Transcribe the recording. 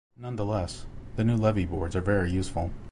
Nonetheless, the new levee boards are very useful.